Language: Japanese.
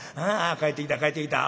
帰ってきた帰ってきた。